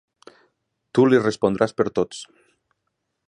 Tu li respondràs per tots.